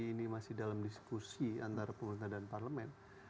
ini masih dalam diskusi antara pemerintah dan parlemen